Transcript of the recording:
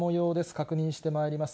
確認してまいります。